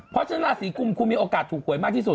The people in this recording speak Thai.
เพราะฉะนั้นราศีกุมคุณมีโอกาสถูกหวยมากที่สุด